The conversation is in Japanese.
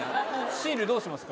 シールどうしますか？